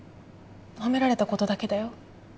褒められたことだけだよ。